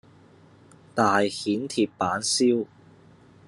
大蜆鐵板燒